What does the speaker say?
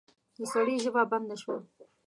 د سړي ژبه بنده شوه.